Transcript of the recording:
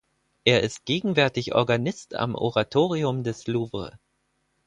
Er ist gegenwärtig Organist am Oratorium des Louvre.